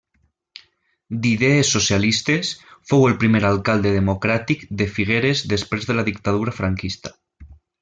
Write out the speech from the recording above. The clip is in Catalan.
D’idees socialistes, fou el primer alcalde democràtic de Figueres després de la dictadura franquista.